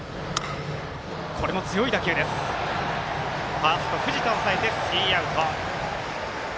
ファースト、藤田抑えて、スリーアウト。